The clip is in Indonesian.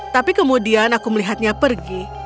tapi kemudian aku melihatnya pergi